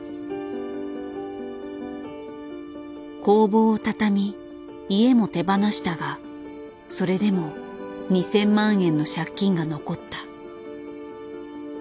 工房をたたみ家も手放したがそれでも２，０００万円の借金が残った。